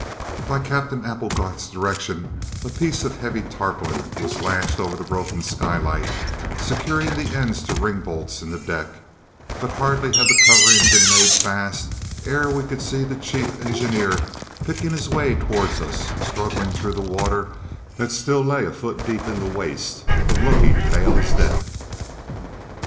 By Captain Applegarth's directions, a piece of heavy tarpaulin was lashed over the broken skylight, securing the ends to ringbolts in the deck; but hardly had the covering been made fast ere we could see the chief engineer picking his way towards us, struggling through the water that still lay a foot deep in the waist and looking as pale as death.